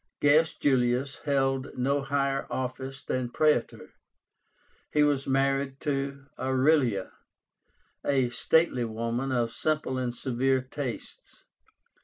Gaius Julius held no higher office than Praetor. He was married to Aurelia, a stately woman of simple and severe tastes.